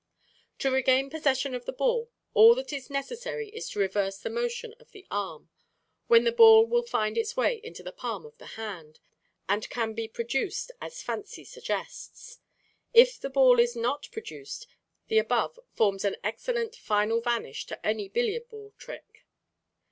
To regain possession of the ball, all that is necessary is to reverse the motion of the arm, when the ball will find its way into the palm of the hand, and can be produced as fancy suggests. If the ball is not produced, the above forms an excellent final vanish to any billiard ball trick.